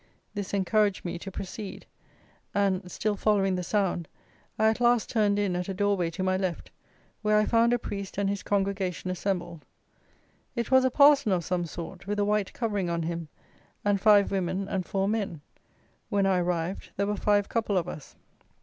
This encouraged me to proceed; and, still following the sound, I at last turned in at a doorway to my left, where I found a priest and his congregation assembled. It was a parson of some sort, with a white covering on him, and five women and four men: when I arrived, there were five couple of us.